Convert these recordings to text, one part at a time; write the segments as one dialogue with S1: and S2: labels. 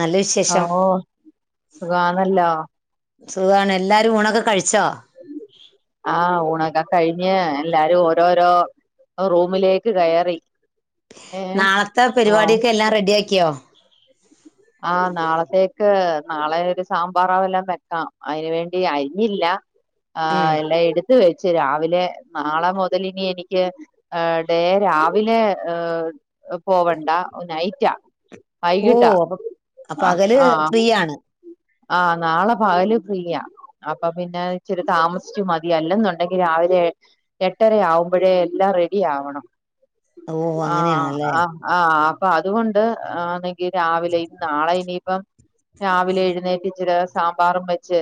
S1: നല്ല
S2: ഓ
S1: വിശേഷം
S2: സുഖാന്നല്ലോ
S1: സുഖാണ് എല്ലാരും ഊണൊക്കെ കഴിച്ചോ
S2: ആഹ് ഊണക്കെ കഴിഞ്ഞ് എല്ലാരും ഓരോരോ റൂമിലേക്ക് കയറി ഏ
S1: നാളത്തെ
S2: ആഹ്
S1: പരിപാടിയൊക്കെ എല്ലാം റെഡിയാക്കിയോ
S2: ആഹ് നാളത്തേക്ക് നാളെ ഒരു സാമ്പാറാവെല്ലാം വെക്കാം അതിന് വേണ്ടി അരിഞ്ഞില്ല
S1: ഉം
S2: ആഹ് എല്ലാം എടുത്തു വെച്ച് രാവിലെ നാളെ മുതല് നി എനിക്ക് ഡേ രാവിലെ പോവണ്ട നൈറ്റാ
S1: ഓ
S2: വൈകിട്ടാ
S1: അപ്പൊ അപ്പൊ
S2: ആഹ്
S1: പകല്
S2: ആഹ്
S1: ഫ്രീ ആണ്
S2: ആഹ് നാളെ പകല് ഫ്രീയാ അപ്പൊ പിന്നെ ഇച്ചരി താമസിച്ചു മതി അല്ലെന്നുണ്ടെങ്കി രാവിലെ എട്ടര ആവുമ്പോഴേ എല്ലാം റെഡി ആവണം
S1: ഓ
S2: ആഹ്
S1: അങ്ങനെയാണല്ലേ
S2: ആഹ് ആഹ് അപ്പൊ അതുകൊണ്ട്ങ്കി രാവിലെ നാളെ ഇനിയിപ്പം രാവിലെ എഴുന്നേറ്റ് ഇച്ചിരി സാമ്പാറും വെച്ച്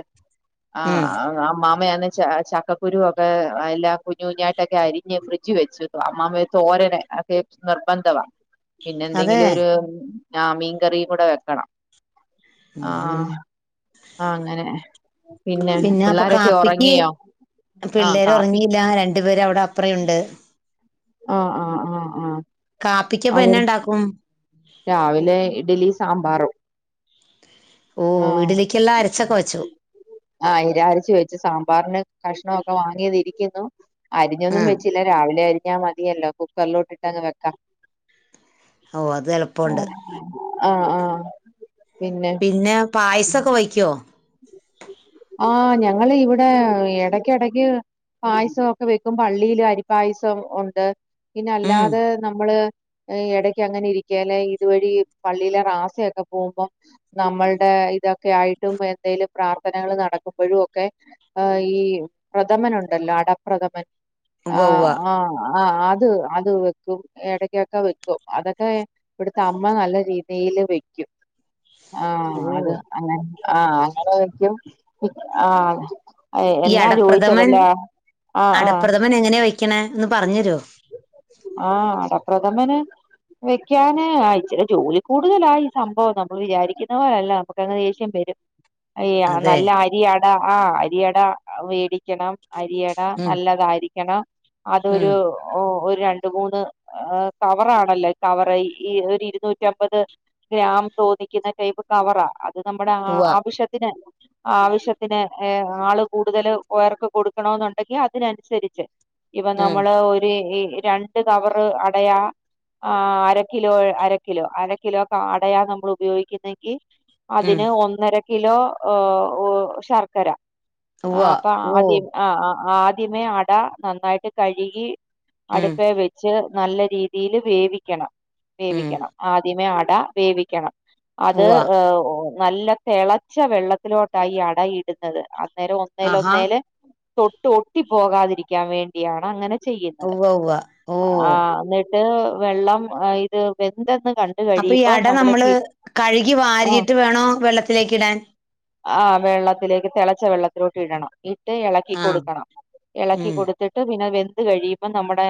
S1: ഉം
S2: ആഹ് അമ്മാമയാനെ ച ഈഹ് ചക്കക്കുരു ഒക്കെ എല്ലാം കുഞ്ഞു കുഞ്ഞായിട്ടൊക്കെ അരിഞ്ഞ് ഫ്രിഡ്ജി വെച്ചിരുന്നു അമ്മാമ്മയെ തോരന് കേപ്ച് നിർബന്ധവാ.
S1: അതെ
S2: പിന്നെന്തെങ്കിലു ഒരു ആഹ് മീൻ കറിയും കൂടെ വെക്കണം.
S1: ഉം ഉം.
S2: ആഹ് ആഹ് അങ്ങനെ. പിന്നെ
S1: അപ്പൊ
S2: പിള്ളേരൊക്കെ
S1: കാപ്പിക്ക്
S2: ഉറങ്ങിയോ? ആഹ്
S1: പിള്ളേര്
S2: കാപ്പി
S1: ഉറങ്ങിയില്ല. രണ്ടുപേര് അവിടെ അപ്പറേ ഉണ്ട്.
S2: ആഹ് ആഹ് ആഹ് ആഹ്.
S1: കാപ്പിക്കപ്പൊ
S2: അവർ
S1: എന്നാ ഉണ്ടാക്കും?
S2: രാവിലെ ഇഡ്ഡലി സാമ്പാറും.
S1: ഓഹ്
S2: ആഹ്
S1: ഇഡ്ഡലിക്കെല്ലാം അരച്ചൊക്കെ വെച്ചു.
S2: ആഹ് അയിന്റെ അരച്ചു വെച്ചു. സാമ്പാറിന് കഷ്ണം ഒക്കെ വാങ്ങിയതിരിക്കുന്നു.
S1: ആ
S2: അരിഞ്ഞൊന്നും വെച്ചില്ല. രാവിലെ അരിഞ്ഞാൽ മതിയല്ലോ. കുക്കറിലോട്ട് ഇട്ടങ്ങ് വെക്കാം.
S1: ഓഹ് അതെള്
S2: ആഹ് ആഹ് പിന്നെ
S1: പിന്നെ പായസൊക്കെ വയ്ക്കുവോ?
S2: ആഹ് ഞങ്ങള് ഇവിടെ എടയ്ക്കെടയ്ക്ക് പായസവൊക്കെ വെക്കും. പള്ളിയില് അരിപ്പായസം ഉണ്ട്. പിന്നെ
S1: ഉം
S2: അല്ലാതെ നമ്മള് ഇടക്ക് അങ്ങനെ ഇരിക്കേലെ ഇതുവഴി പള്ളിയിലെ റാസയൊക്കെ പോകുമ്പം നമ്മൾടെ ഇതൊക്കെ ആയിട്ടും എന്തേലും പ്രാർത്ഥന കള് നടക്കുമ്പഴും ഒക്കെ അഹ് ഈ പ്രഥമൻ ഉണ്ടല്ലോ അടപ്രഥമൻ?
S1: ഉവ്വ ഉവ്വ
S2: ആഹ് ആഹ് ആഹ് അത് അത് വെക്കും ഇടക്കൊക്കെ വെക്കും. അതൊക്കെ ഇവിടുത്തെ അമ്മ നല്ല രീതിയില് വെക്കും. ആഹ്
S1: ഓ
S2: അത് അങ്ങനെ, ആഹ് അങ്ങനെ വെക്കും. ആഹ്
S1: ഈ
S2: എന്നാ ചോദിച്ചെ വല്ലോ? ആഹ് ആഹ്
S1: അങ്ങനെ എങ്ങനെയാ വയ്ക്കണെ? ഒന്ന് പറഞ്ഞു തര്വോ?
S2: ആഹ് അടപ്രഥമന് വെക്കാന് ആഹ് ഇച്ചിരെ ജോലിക്കൂടുതലാ ഈ സംഭവം. നമ്മള് വിചാരിക്കുന്ന പോലല്ല നമു ക്കങ്ങ്‌ ദേഷ്യം വരും. അയ്യ
S1: അതെ
S2: നല്ല അരിയട ആഹ് അരിയട വേവിക്കണം അരിയട
S1: ഉം
S2: നല്ലതായിരിക്കണം.
S1: ഉം
S2: അതൊരു ഓഹ് ഒരു രണ്ട് മൂന്ന്, ഈഹ് കവറാണല്ലോ കവറ്. ഈ ഒരു ഇരുന്നൂറ്റിമ്പത് ഗ്രാം തോന്നിക്കുന്ന ടൈപ്പ് കവറാ. അത് നമ്മുടെ ആ
S1: ഉവ്വ
S2: ആവശ്യത്തിന് ആവശ്യത്തിന് ഈഹ് ആള് കൂടുതല് ഉയർക്ക് കൊടുക്കണന്നുണ്ടെങ്കിൽ അതിനനുസരിച്ച്. ഇപ്പൊ
S1: ഉം
S2: നമ്മള് ഒരു രണ്ട് കവറ് അടയാ ആഹ് അര കിലോ അര കിലോ. അര കിലോ ഒക്കെ അടയാ നമ്മള് ഉപയോഗിക്കുന്നെങ്കി
S1: ഉം
S2: അതിന് ഒന്നരക്കിലോ ഈഹ് ഓഹ് ശർക്കര.
S1: ഉവ്വ
S2: ആഹ് അപ്പൊ
S1: ഓ
S2: ആദ്യം, ആഹ് ആദ്യമേ അട നന്നായിട്ട് കഴുകി
S1: ഉം
S2: അടുപ്പേ വെ ച്ച് നല്ല രീതീല് വേവിക്കണം,
S1: ഉം
S2: വേവിക്കണം. ആദ്യമേ അട വേവിക്കണം അത്
S1: ഉവ്വ
S2: നല്ല തിളച്ച വെള്ളത്തിലോട്ടാ ഈ അടയിടുന്നത്. അന്നേരം
S1: ആഹാ
S2: ഒന്നേലൊന്നേല് തൊട്ട് ഒട്ടി പോകാതിരിക്കാൻ വേണ്ടിയാണ് അങ്ങനെ ചെയ്യു
S1: ഉവ്വ ഉവ്വ. ഓ
S2: ആഹ് എന്നിട്ട് വെള്ളം ഇത് വെന്തെന്ന് കണ്ട്
S1: അപ്പൊ ഈ
S2: കഴിയുമ്പോ
S1: അട നമ്മള്
S2: കി-
S1: കഴുകി
S2: ആ
S1: വാരിയിട്ട് വേണോ വെള്ളത്തിലേക്ക് ഇടാൻ?
S2: ആഹ് വെള്ളത്തിലേക്ക് തിളച്ച വെള്ളത്തിലോട്ട് ഇടണം. ഇട്ട് ഇളക്കി
S1: ആഹ്
S2: കൊടുക്കണം. ഇളക്കി
S1: ഉം
S2: കൊടുത്തിട് ട്ട് പിന്നെ വെന്ത് കഴിയുമ്പോ നമ്മുടെ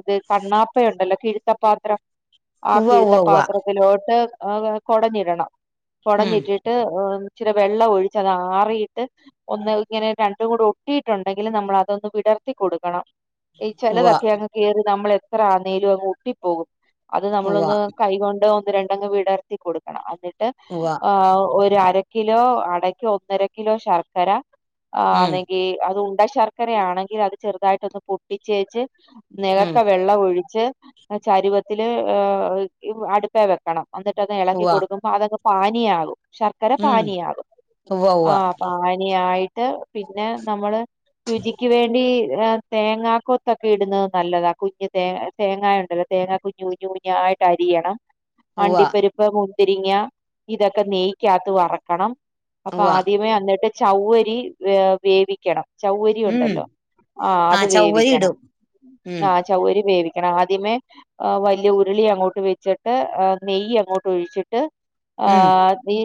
S2: ഇത് കണ്ണാപ്പയുണ്ടല്ലോ, കിഴ്ത്തപ്പാത്രം. ആ
S1: ഉവ്വ ഉവ്വ
S2: കിഴ്ത്തപ്പാത്രത്തിലോട്ട് ഈഹ് കൊടഞ്ഞിടണം.
S1: ഉവ്വ ഉം
S2: കൊടഞ്ഞിട്ടിട് ന്ന്ട്ട് ഏഹ് ഇച്ചിരി വെള്ളവൊഴിച്ച് അത് ആറിയിട്ട് ഒന്ന് ഇങ്ങനെ രണ്ടും കൂടി ഒട്ടിയിട്ടുണ്ടെങ്കില് നമ്മളതൊന്ന് വിടർത്തി കൊടുക്കണം ഈ
S1: ഉവ്വ
S2: ചെലതൊക്കെ അങ്ങ് കേറി നമ്മളെത്ര ആന്നേലുവങ്ങ് ഒട്ടിപ്പോകും അത്
S1: ഉവ്വ
S2: നമ്മളൊന്ന് കൈകൊണ്ട് ഒന്ന് രണ്ടങ്ങ് വിടർത്തി കൊടുക്കണം എന്നിട്ട്
S1: ഉവ്വ
S2: ഏഹ് ഒരു അര കിലോ അടക്ക് ഒന്നര കിലോ ശർക്കര ആ്
S1: ഉം
S2: അല്ലെങ്കി അത് ഉണ്ട ശർക്കരയാണെങ്കി അത് ചെറുതായിട്ടൊന്ന് പൊ ട്ടിച്ചേച്ച്
S1: ഉം
S2: നെലത്ത വെള്ളവൊഴിച്ച് ചരുവത്തില് ഏഹ് ഈ അടുപ്പേ വെക്കണം ഇന്നിട്ട്ത് എളക്കി
S1: ഉവ്വ
S2: കൊടുക്കുമ്പ അതങ്ങ് പാനീയയാകും ശർക്കര
S1: ഉം
S2: പാനീയാകും
S1: ഉവ്വ
S2: ആ്
S1: ഉവ്വ
S2: പാനയായിട്ട് പിന്നെ നമ്മള് രുചിക്ക് വേണ്ടി തേങ്ങാ കൊത്തൊക്കെയിടുന്നത് നല്ലതാ കുഞ്ഞ് തേ തേങ്ങയുണ്ടല്ലോ തേങ്ങാ കുഞ്ഞ് കുഞ്ഞ് കുഞ്ഞായിട്ട് രിയണം
S1: ഉവ്വ
S2: അണ്ടിപ്പരിപ്പ്, മുന്തിരിങ്ങ, ഇതൊക്കെ നെയ്ക്കകത്ത് വറക്കണം അപ്പൊ
S1: ഉവ്വ
S2: ആദ്യമേ അന്നിട്ട് ചൗ്വരി ഏ വേവിക്കണം
S1: ഉം
S2: ചൗവരിയുണ്ടല്ലോ? ആ അത്
S1: ആഹ് ചവ്വരി
S2: വേവിക്കണം
S1: ഇടും ഉം
S2: ആഹ് ചൗവരി വേവിക്കണം ആദ്യമേ ആ വല്ല്യ ഉരുളിയങ്ങോട്ട് വെച്ചിട്ട് നെയ്യങ്ങോട്ട് ഒഴിച്ചിട്ട്
S1: ഉം
S2: ആഹ് ഈ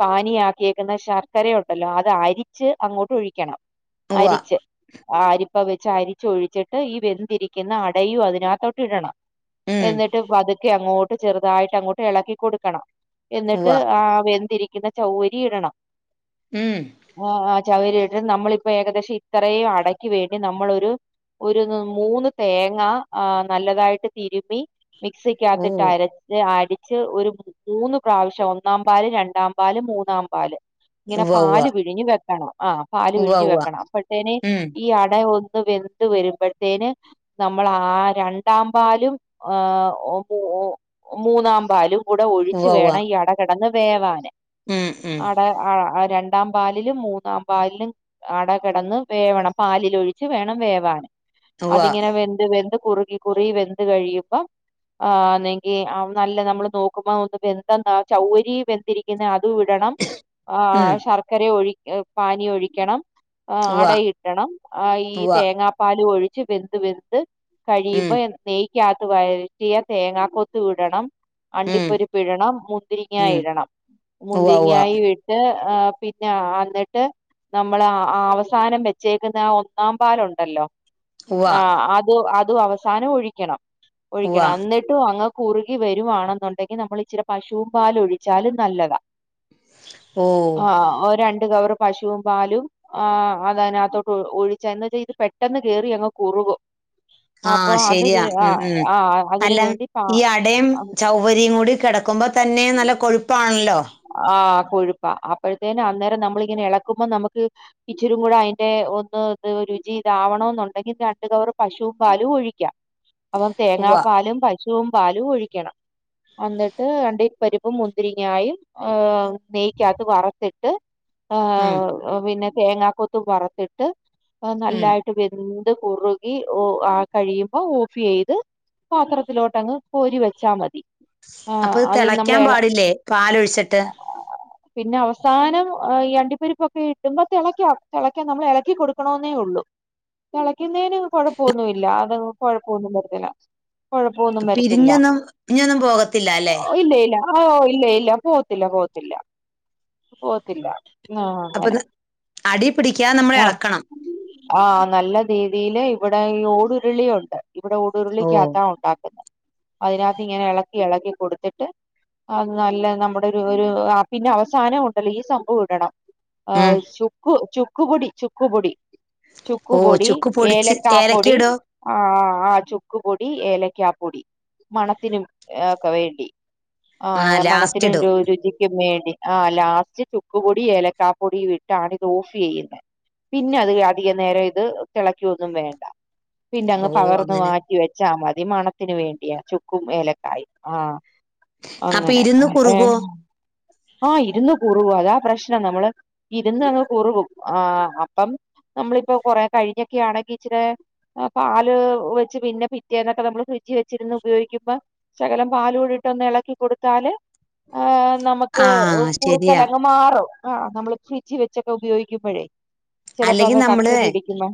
S2: പാനിയാക്കിയേക്കുന്ന ശർക്കരയുണ്ടല്ലോ അത് അരിച്ച് അങ്ങോട്ട് ഒഴിക്കണം
S1: ഉവ്വ
S2: അരിച്ച് ആ അരിപ്പ വെച്ച് അരിച്ചൊഴിച്ചിട്ട് ഈ വെന്തിരിക്കുന്ന അടയും അതിനകത്തോട്ട്ടണം
S1: ഉം
S2: എന്നിട്ട് പതുക്കെയങ്ങോട്ട് ചെറുതായിട്ട് അങ്ങോട്ട് എളക്കി കൊടുക്കണം എന്നിട്ട്
S1: ഉവ്വ
S2: ആ വെന്തിരിക്കുന്ന ചൗവരിയിടണം
S1: ഉം
S2: ആഹ് ആ് ചൗവരിയിട്ട് നമ്മളിപ്പോ ഏകദേശം ഇത്രയും അടയ്ക്ക് വേണ്ടി നമ്മളൊരു ഒരു മൂന്ന് തേങ്ങ ആ നല്ലതായിട്ട് തിരുമ്മി
S1: ഓ
S2: മിക്സിക്കകത്തിട്ട് അരച്ച് അടിച്ച് ഒരു മൂന്ന് പ്രാവശ്യം ഒന്നാം പാല് രണ്ടാം പാ ല്, മൂന്നാം പാല് ഇങ്ങനെ
S1: ഉവ്വ ഉവ്വ
S2: പാല് വിഴിഞ് വെക്കണം ആഹ് പാല്‌
S1: ഉവ്വ
S2: വിഴിഞ്ഞു
S1: ഉവ്വ
S2: വെക്കണം അപ്പഴത്തേന്
S1: ഉം
S2: ഈ അടയൊന്ന് വെന്ത് വരുമ്പഴത്തേന് നമ്മളാ ആ രണ്ടാം പാലും, എഹ് ഓ മൂന്നാം പാലും കൂടെ ഒഴിച്ചു
S1: ഉവ്വ ഉവ്വ
S2: വേണം ഈ അട കെടന്ന് വേവാന്
S1: ഉം ഉം
S2: അട ആഹ്‌ രണ്ടാം പാലിലും, മൂന്നാം പാലിലും അട കെടന്ന് വേവണം പാലിലൊഴിച്ച് വേണം വേവാന്
S1: ഉവ്വ
S2: അതിങ്ങനെ വെന്ത് വെന്ത് കുറുകി കുറുകി വെന്ത് കഴിയുമ്പം ആഹ് ആന്നെങ്കിൽ നല്ല നമ്മള് നോക്കുമ്പോ ഒന്ന് വെന്തന്നാ ചൗവരി വെന്തിരി ക്കുന്നെ അതുയിടണം
S1: ഉം
S2: ആഹ് ശർക്കര ഒഴി പാനീ ഒഴിക്കണം ആഹ്
S1: ഉവ്വ
S2: അടയിട്ടണം ആ ഈ
S1: ഉവ്വ
S2: തേങ്ങാപ്പാല് ഒഴിച്ച് വെന്ത് വെന്ത്
S1: ഉം
S2: കഴിയുമ്പം നെയ്ക്കകത്ത് വരറ്റിയ തേങ്ങാ കൊത്തുംവിടണം
S1: ഉം
S2: അണ്ടിപ്പരിപ്പ്ടണം
S1: ഉം
S2: മുന്തിരിങ്ങായിടണം
S1: ഉവ്വ ഉവ്വ
S2: മുന്തിങ്ങായും ഇട്ട് ആ പിന്നെ അന്നിട്ട് നമ്മള് ആ അവസാനം വെച്ചേക്കുന്ന ആ ഒന്നാം പാലുണ്ടല്ലോ?
S1: ഉവ്വ
S2: ആഹ് അത് അതും അവസാനം ഒഴിക്കണം
S1: ഉവ്വ
S2: ഒഴിക്കണം എന്നി ട്ടുവങ്ങ് കുറുകി വരുവാണെന്നുണ്ടെങ്കി നമ്മളിച്ചിരി പശുവും പാല് ഒഴിച്ചാലും നല്ലതാ
S1: ഓ
S2: ആഹ് ഒരു രണ്ട് കവറ് പശുവും പാലും ആഹ് അതിനകത്തോട്ട് ഒ ഒഴിച്ച് എന്നിട്ട് ഇത് പെട്ടെന്ന് കേറി അങ്ങ് കുറുകും അപ്പൊ
S1: ആഹ്
S2: അത്
S1: ശരിയാ ഉം
S2: ആഹ്
S1: ഉം
S2: ആഹ് അതിന്
S1: അല്ല
S2: വേണ്ടി
S1: ഈ അടയും
S2: പാ
S1: ചൗ ഒരിയും കൂടി കിടക്കുമ്പോൾ തന്നെ നല്ല കൊഴുപ്പാണല്ലോ
S2: ആഹ് കൊഴുപ്പ അപ്പഴത്തേന് അന്നേരം നമ്മളിങ്ങനെ എളക്കുമ്പോ നമുക്ക് ഈ ഇച്ചിരും കൂടെ അയ്ന്റെ ഒന്ന് ഇത് രുചി ഇതാവണ എന്നുണ്ടെങ്കിൽ രണ്ടു കവറ് പശുവും പാലും ഒഴിക്കാം അപ്പം തേങ്ങാ
S1: ഉവ്വ
S2: പാലും പ ശുവും പാലും ഒഴിക്കണം ഒന്നിട്ട് അണ്ടി പരിപ്പും മുന്തിരിങ്ങായും ഏഹ് നെയ്ക്കകത്ത് വറുത്തിട്ട്
S1: ഉം
S2: ആഹ് ഏഹ് പിന്നെ തേങ്ങാക്കൊത്ത് വറ്ത്തിട്ട് അത്
S1: ഉം
S2: നല്ലായിട്ട് എന്ത് കുറുകി ഓ ആ കഴിയുമ്പം ഓഫ് ചെയ്ത് പാത്രത്തിലോട്ടങ്ങ് കോരി വെച്ചാ മതി ആഹ്
S1: അപ്പോ അത്
S2: നമ്മള്
S1: തെളക്കാൻ
S2: എള
S1: പാടില്ലെ പാലൊഴിച്ചിട്ട്
S2: [inaudible] പിന്നെ അവസാനം ഈ അണ്ടിപരിപ്പൊക്കെ ഇടുമ്പോ തിളക്ക തിളക്കാൻ നമ്മള് എളക്കി കൊടുക്കണെന്നേ ഉള്ളു തിളക്കുന്നതിന് കൊഴപ്പൊന്നും ഇല്ല അതങ്ങ് കൊഴപ്പൊന്നും വരത്തില്ല കൊഴപ്പൊന്നും വരത്തില്ല
S1: പിരിഞ്ഞൊന്നും ഇഞ്ഞൊന്നും പോകത്തില്ല അല്ലെ
S2: ഓ ഇല്ല ഇല്ല ഓഹ് ഇല്ല ഇല്ല പോവത്തില്ല പോവത്തില്ല പോവത്തില്ല ആ അങ്ങനെ
S1: അപ്പത് അടിയി പിടിക്കാതെ നമ്മള് എളക്കണം
S2: ആഹ് നല്ല രീതിയില് ഇവിടെ ഈ ഓടുരുളി ഉണ്ട് ഇവിടെ ഒ
S1: ഓ
S2: ഉരുളിക്കകത്താ ഉണ്ടാക്കുന്നത് അതിനകത്ത് ഇങ്ങനെ എളക്കി എളക്കി കൊടുത്തിട്ട് അത് നല്ല നമ്മു ഒരു ഒരു ആ പിന്നെ അവസാനം ഉണ്ടല്ലോ ഈ സംഭവ ഇടണം
S1: ഉം
S2: ആഹ് ചുക്ക് ചുക്ക് പൊടി ചുക്ക്പൊടി
S1: ഓ
S2: ചുക്ക്പൊടി
S1: ചുക്ക് പൊടിച്ച്
S2: ഏലക്കാ
S1: ഏലക്ക
S2: പൊടി
S1: ഇടോ
S2: ആഹ് ആ ചുക്ക്പൊടി ഏലക്കാ പൊടി മണത്തിനും ഏഹ് ഒക്കെ വേണ്ടി
S1: ആ
S2: ആഹ് മണത്തിന്
S1: ലാസ്റ്റ് ഇടും
S2: രുചിക്കും വേണ്ടി ആ ലാസ്റ്റ് ചുക്ക്പൊടി ഏലക്കാ പൊടിയും ഇട്ടാണ് ഇത് ഓഫ് ചെയ്യുന്നത് പിന്നെ അത് അധികം നേരം ഇത് തിളക്കൊന്നും വേണ്ട പിന്ന അങ്ങ്
S1: ഓ
S2: പകർന്ന്
S1: അങ്ങനെ
S2: മാറ്റി വെ ച്ചാ മതി മണത്തിന് വേണ്ടിയാ ചുക്കും ഏലക്കായും ആഹ്
S1: അപ്പൊ ഇരുന്ന് കുറുകോ
S2: ആഹ് ഇരുന്നു കുറുവു അതാ പ്രശ്നം നമ്മള് ഇരുന്ന് അങ്ങ് കുറുകും ആ അപ്പം നമ്മളിപ്പോ കൊറേ കഴിഞ്ഞൊക്കെ ആണെങ്കി ഇച്ചിരെ ഏഹ് പാല് ഒഴിച്ച് പിന്നെ പിറ്റേന്നൊക്കെ നമ്മള് ഫ്രിഡ്ജ് വെച്ചിരുന്ന് ഉപയോഗിക്കുമ്പോ ശകലം പാാലൂടിട്ടൊന്ന് എളക്കി കൊടുത്താല് ആ നമുക്ക്
S1: ആഹ് ശരിയാ.
S2: കുറുക്കലങ്ങ് മാറും ആ അപ്പമ്മള് ഫ്രിഡ്ജി വെച്ചൊക്കെ ഉപയോഗിക്കുമ്പഴേ ചെലപ്പോ
S1: അല്ലെങ്കിൽ
S2: അങ്ങ് കട്ട
S1: നമ്മള്
S2: പിടിക്കുമ്പോ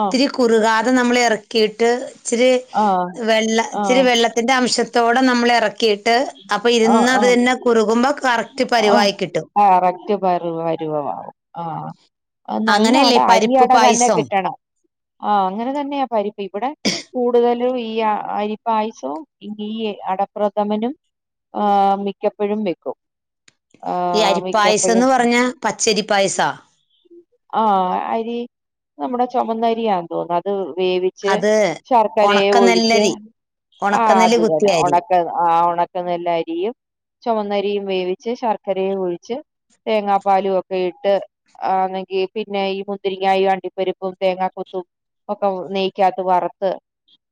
S2: ആഹ്
S1: കുറുകാതെ നമ്മള് ഇറക്കിയിട്ട് ഇച്ചിരി
S2: ആഹ്
S1: വെള്ള ഇച്ചിരി
S2: ആഹ്
S1: വെള്ള ത്തിന്റെ അംശത്തോടെ നമ്മള് ഇറക്കിയിട്ട് അപ്പൊ
S2: ആഹ്
S1: ഇരുന്ന് അത്
S2: ആഹ്
S1: തന്നെ കുറുകുമ്പോ കറക് ക്റ്റ് പരിവായി കിട്ടും
S2: ആഹ് റക്റ്റ് പരുവ പരുവമാവും ആഹ് അഹ്‌ നല്ല അട
S1: അങ്ങനെയല്ലേ ഈ പരിപ്പ്
S2: അരിയട തന്നെ
S1: പായസം
S2: കിട്ടണം ആഹ് അങ്ങനെ തന്നെയാ പരിപ്പ് ഇവിടെ കൂടുതലും ഈ അ അരിപ്പായസവും ഈ അടപ്രഥമനും ആഹ് മിക്കപ്പഴും വെക്കും
S1: ഈ
S2: ആഹ് മിക്കപ്പോഴും
S1: അരിപ്പായസംന്ന് പറഞ്ഞ പച്ചരിപ്പായസാ
S2: ആഹ് അരി നമ്മുടെ ചൊമന്നരിയാന്ന് തോന്നത് അത് വേവി ച്ച്
S1: അത്
S2: ശർക്കരെ ഒഴിച്ച്
S1: ഉണക്കനെല്ലരി
S2: ആ
S1: ഉണക്കനെല്ല്
S2: അത്
S1: കുത്തിയ
S2: തന്നെ
S1: അരി
S2: ഒണക്ക ആ ഒണ ക്കനെല്ല് അരിയും ചൊവന്നരിയും വേവിച്ച് ശർക്കരെ ഒഴിച്ച്. തേങ്ങാപ്പാലും ഒക്കെ ഇട്ട്. ആ അല്ലെങ്കി പിന്നെ ഈ മുന്തിരിങ്ങായും അണ്ടിപ്പരിപ്പും തേങ്ങാ കൊത്തും. ഒക്ക നെയ്ക്കാത്ത് വറുത്ത്.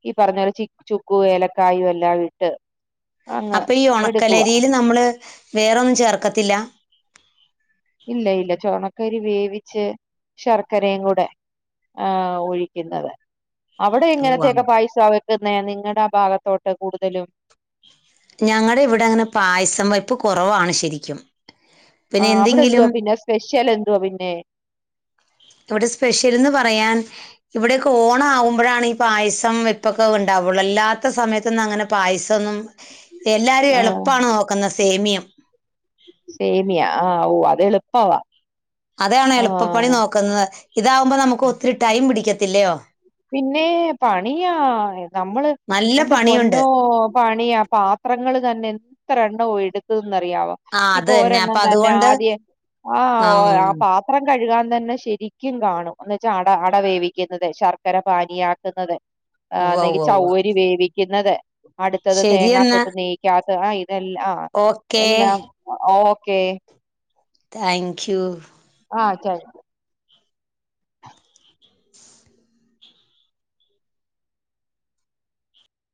S2: ഈ പറഞ്ഞോല ചിക്ക് ചുക്കു ഏലക്കായും എല്ലാം ഇട്ട്. അങ്ങ്
S1: അപ്പൊ ഈ
S2: എടുക്കുവാ
S1: ഉണക്കലരില് നമ്മള് വേറൊന്നും ചേർക്കത്തില്ല.
S2: ഇല്ല ഇല്ല ചുവണക്കരി വേവിച്ച് ശർക്കരയും കൂടെ. ആ ഒഴിക്കുന്നത്. അവിടെ
S1: ഓ,
S2: എങ്ങനത്തെയൊക്കെ പായിസ വെക്കുന്നേ നിങ്ങട ആ ഭാഗത്തോട്ട് കൂടുതലും.
S1: ഞങ്ങടെ ഇവിടെ അങ്ങനെ പായസം വയപ്പ് കുറവാണ് ശരിക്കും.
S2: ആ
S1: പിന്നെ
S2: അവിടെ എന്തുവാ
S1: എന്തെങ്കിലും
S2: പിന്നെ സ്പെഷ്യൽ എന്തോ പിന്നെ.
S1: ഇവിടെ സ്പെഷ്യലെന്ന് പറയാൻ. ഇവിടെയൊക്കെ ഓണം ആകുമ്പഴാണ് ഈ പായസം വെപ്പൊക്കെ ഉണ്ടാവുള്ളൂ അല്ലാത്ത സമയത്തൊന്നങ്ങനെ പായസന്നും. എല്ലാരും
S2: ആ
S1: എളുപ്പാണ് നോക്കുന്ന സേമിയം.
S2: സേമിയ ആഹ് ഓ അത്എള്പ്പവ.
S1: അതെയണോ എളുപ്പപണി നോക്കുന്നത് ഇതാവുമ്പോ നമുക്ക് ഒത്തിരി ടൈം പിടിക്കത്തില്ലയോ.
S2: പിന്നെ പണിയാ നമ്മള്
S1: നല്ല
S2: എന്റെ
S1: പണിയുണ്ട്
S2: പൊന്നോ. പണിയാ പാത്രങ്ങള് തന്നെ എത്ര എണ്ണോ എടുക്ക്‌ എന്ന് അറിയാവോ?
S1: ആ അത്
S2: ഇപ്പൊ ഒരെണ്ണം
S1: അപ്പൊ
S2: തന്നെ
S1: അതുകൊണ്ട്
S2: ആദ്യ ആ ഓ ആ പാ പത്രം കഴുകാൻ തന്നെ ശരിക്കും കാണും. ഒന്ന്ച്ചാട അട വേവിക്കുന്നത് ശർക്കര പാനീയാക്കുന്നത്
S1: ഉവ്വ
S2: അന്നെങ്കി
S1: ഉവ്വ ഉവ്വ
S2: ചൗവരി വേവി വിക്കുന്നത് അടുത്തത്
S1: ശരിയെന്നാ
S2: തേങ്ങാക്കൊത്ത് നീക്കാത്ത ആ ഇതെല്ലാം ആ
S1: ഓക്കേ
S2: എല്ലാം. ഓക്കെ.
S1: താങ്ക്യൂ.
S2: ആഹ് ച